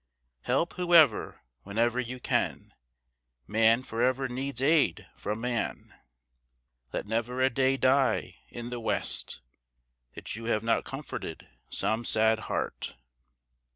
Help whoever, whenever you can, Man for ever needs aid from man. Let never a day die in the West, That you have not comforted some sad heart.